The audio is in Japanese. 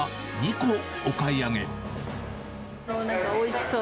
おいしそう。